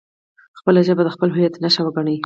خپله ژبه د خپل هویت نښه وګڼئ.